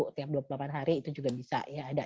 tiap dua puluh delapan hari itu juga bisa ya ada